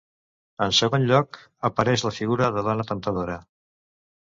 En segon lloc apareix la figura de dona temptadora.